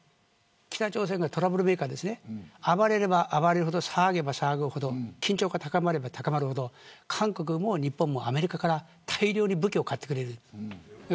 北朝鮮がトラブルメーカーで暴れれば暴れるほど騒げば騒ぐほど緊張が高まれば高まるほど韓国も日本もアメリカから大量に武器を買ってくれる。